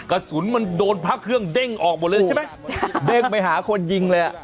กระสุนมันโดนพระเครื่องเด้งออกหมดเลยใช่ไหมเด้งไปหาคนยิงเลยอ่ะ